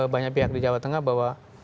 banyak pihak di jawa tengah bahwa